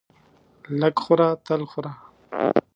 لږ خوره تل خوره.